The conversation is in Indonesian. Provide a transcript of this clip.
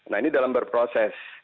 nah ini dalam berproses